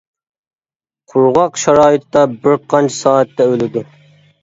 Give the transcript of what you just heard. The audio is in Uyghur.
قۇرغاق شارائىتتا بىر قانچە سائەتتە ئۆلىدۇ.